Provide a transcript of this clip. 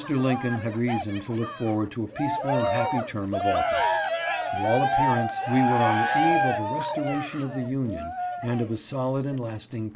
Lincoln had reason to look forward to a peaceful and happy term of office. To all appearance, we were on the eve of a restoration of the union and of a solid and lasting peace.